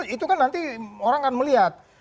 itu kan nanti orang akan melihat